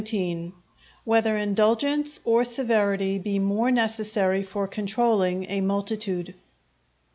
—_Whether Indulgence or Severity be more necessary for controlling a Multitude.